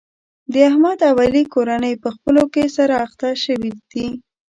د احمد او علي کورنۍ په خپلو کې سره اخته شوې دي.